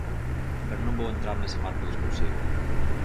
Pero non vou entrar nese marco discursivo.